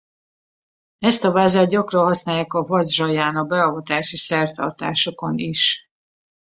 Ezt a vázát gyakran használják a vadzsrajána beavatási szertartásokon is.